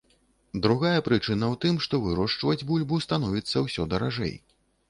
Другая прычына ў тым, што вырошчваць бульбу становіцца ўсё даражэй.